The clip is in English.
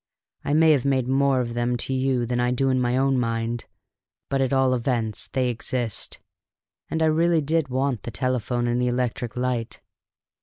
I may have made more of them to you than I do in my own mind, but at all events they exist. And I really did want the telephone and the electric light."